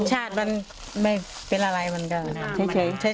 รสชาติมันไม่เป็นอะไรมันก็เฉย